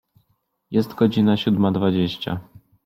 Jest godzina siódma dwadzieścia.